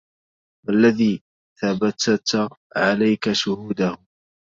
هذا الذي ثبتت عليك شهوده